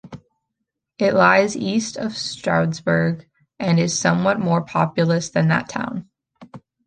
It lies east of Stroudsburg and is somewhat more populous than that town.